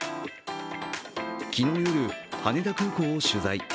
昨日夜、羽田空港を取材。